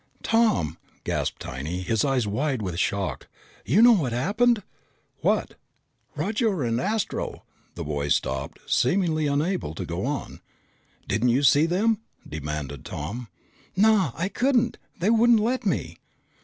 "Tom!" gasped Tiny, his eyes wide with shock. "You know what happened?" "What?" "Roger and Astro " the boy stopped, seemingly unable to go on. "Didn't you see them?" demanded Tom. "Naw, I couldn't. They wouldn't let me."